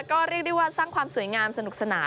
ก็เรียกได้ว่าสร้างความสวยงามสนุกสนาน